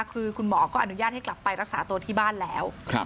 คือคุณหมอก็อนุญาตให้กลับไปรักษาตัวที่บ้านแล้ว